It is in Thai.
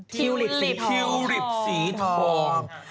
ทิวลิปสีทองค่ะโอ้โหค่ะ